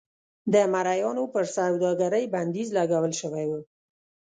د مریانو پر سوداګرۍ بندیز لګول شوی و.